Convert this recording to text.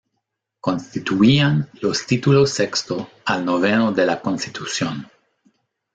Constituían los títulos sexto al noveno de la Constitución.